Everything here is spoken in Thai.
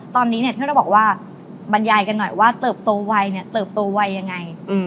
ตอนนี้ที่เราบอกว่าบรรยายกันหน่อยว่าเติบโตไวเนี่ยเติบโตไวยังไง